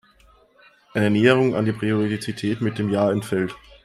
Eine Näherung an die Periodizität mit dem Jahr entfällt.